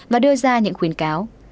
và đưa ra những khuyến cáo